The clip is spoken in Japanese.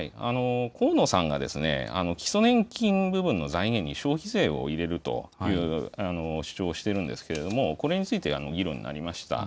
河野さんが、基礎年金部分の財源に消費税を入れるという主張をしているんですけれども、これについて議論になりました。